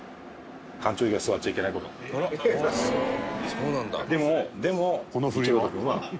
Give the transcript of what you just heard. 「そうなんだ」